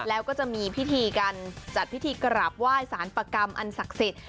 แล้วก็จะมีพิธีการจัดพิธีกราบไหว้สารประกรรมอันศักดิ์สิทธิ์